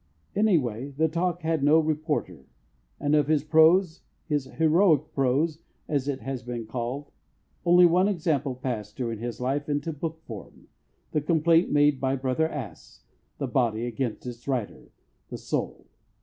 Any way, the talk had no reporter, and of his prose his "heroic prose," as it has been called only one example passed, during his life, into book form the complaint made by Brother Ass, the Body, against its rider, the Soul.